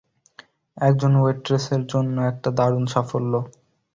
একজন ওয়েট্রেসের জন্য এটা দারুণ সাফল্য।